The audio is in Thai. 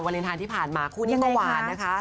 เลนไทยที่ผ่านมาคู่นี้ก็หวานนะคะ